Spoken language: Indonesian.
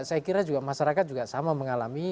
saya kira juga masyarakat juga sama mengalami